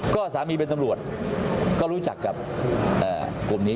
ก็สามีเป็นตำรวจก็รู้จักกับกลุ่มนี้